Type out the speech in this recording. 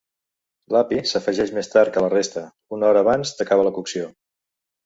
L'api s'afegeix més tard que la resta, una hora abans d'acabar la cocció.